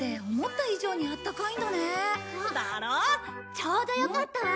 ちょうどよかったわ。